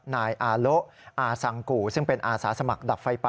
นายอาโละอาซังกู่ซึ่งเป็นอาสาสมัครดับไฟป่า